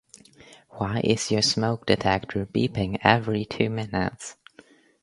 Why is your smoke detector beeping every two minutes?